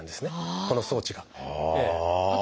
この装置が。はあ！